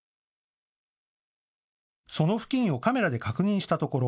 その付近をカメラで確認したところ